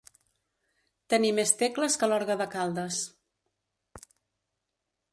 Tenir més tecles que l'orgue de Caldes.